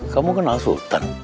kamu kenal sultan